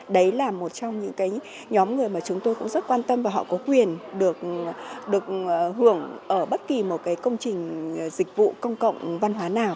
đấy là một trong những nhóm người mà chúng tôi cũng rất quan tâm và họ có quyền được hưởng ở bất kỳ một cái công trình dịch vụ công cộng văn hóa nào